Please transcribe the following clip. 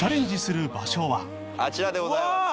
あちらでございます。